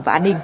và an ninh